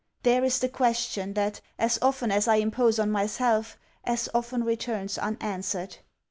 there is the question, that, as often as I impose on myself, as often returns unanswered.